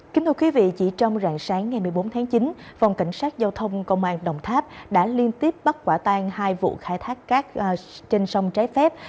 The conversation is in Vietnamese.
kính thưa quý vị chỉ trong rạng sáng ngày một mươi bốn tháng chín phòng cảnh sát giao thông công an đồng tháp đã liên tiếp bắt quả tan hai vụ khai thác cát trên sông trái phép